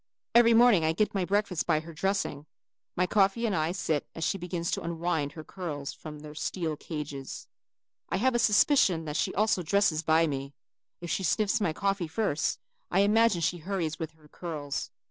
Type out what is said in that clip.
Every morning I get my breakfast by her dressing. My coffee I start as she begins to unwind her curls from their steel cages. I have a suspicion that she also dresses by me. If she sniffs my coffee first, I imagine she hurries with her curls.